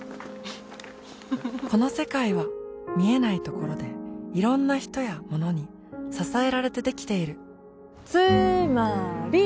この世界は見えないところでいろんな人やものに支えられてできているつーまーり！